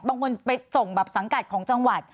บางคนไปส่งแบบสังกัดของจังหวัด